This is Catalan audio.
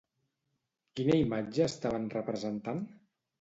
Quina imatge estaven representant?